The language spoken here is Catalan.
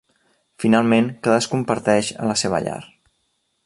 Finalment, cadascun parteix a la seva llar.